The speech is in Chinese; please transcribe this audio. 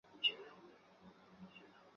洛克马里亚凯尔人口变化图示